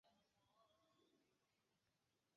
该物种的模式产地在尼泊尔和阿波山区。